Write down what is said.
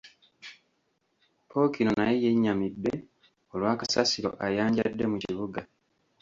Ppookino naye yennyamidde olwakasasiro ayanjadde mu kibuga.